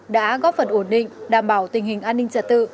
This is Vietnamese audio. đã góp phần ổn định đảm bảo tình hình an ninh trật tự